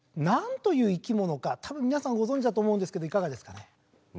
何という生き物か多分皆さんはご存じだと思うんですけどいかがですかね？